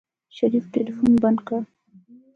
شريف ټلفون بند کړ.